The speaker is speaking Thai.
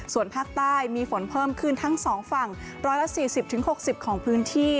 ส่วนภาคใต้มีฝนเพิ่มขึ้นทั้ง๒ฝั่ง๑๔๐๖๐ของพื้นที่